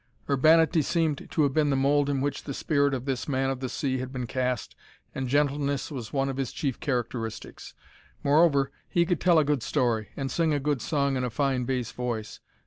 Urbanity seemed to have been the mould in which the spirit of this man of the sea had been cast and gentleness was one of his chief characteristics. Moreover, he could tell a good story, and sing a good song in a fine bass voice.